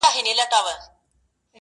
• خود نو په دغه يو سـفر كي جادو ـ